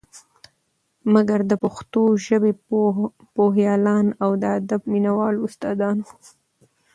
مګر د پښتو ژبې پوهیالان او د ادب مینه والو استا دانو